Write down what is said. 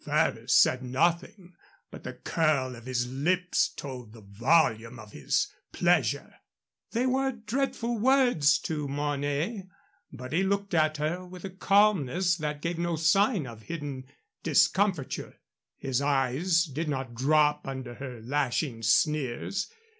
Ferrers said nothing, but the curl of his lips told the volume of his pleasure. They were dreadful words to Mornay, but he looked at her with a calmness that gave no sign of hidden discomfiture. His eyes did not drop under her lashing sneers.